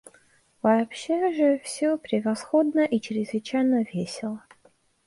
Вообще же всё превосходно и чрезвычайно весело.